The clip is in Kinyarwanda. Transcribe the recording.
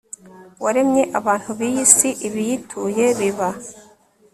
waremye abantu b'iyi si, ibiyituye biba